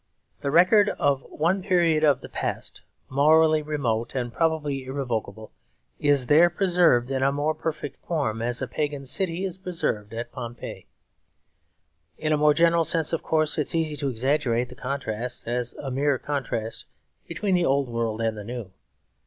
The record of one period of the past, morally remote and probably irrevocable, is there preserved in a more perfect form as a pagan city is preserved at Pompeii. In a more general sense, of course, it is easy to exaggerate the contrast as a mere contrast between the old world and the new.